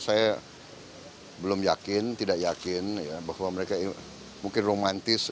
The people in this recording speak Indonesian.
saya belum yakin tidak yakin bahwa mereka mungkin romantis